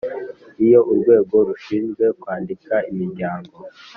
Iyo urwego rushinzwe kwandika imiryango